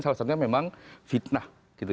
salah satunya memang fitnah